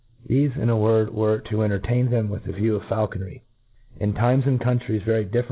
Thefe, iji a word, were, to entertain them with a view of Faulconry,' in times and countries very differ?